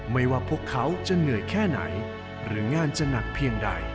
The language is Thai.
ไม่ว่าพวกเขาจะเหนื่อยแค่ไหนหรืองานจะหนักเพียงใด